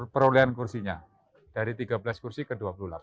perolehan kursinya dari tiga belas kursi ke dua puluh delapan